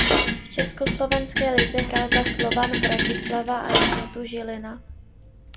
V československé lize hrál za Slovan Bratislava a Jednotu Žilina.